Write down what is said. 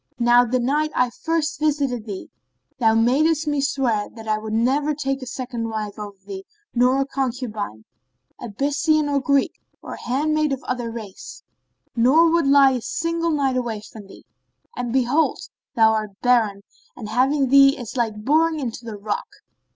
Now the night I first visited thee,[FN#27] thou madest me swear that I would never take a second wife over thee nor a concubine, Abyssinian or Greek or handmaid of other race; nor would lie a single night away from thee: and behold, thou art barren, and having thee is like boring into the rock."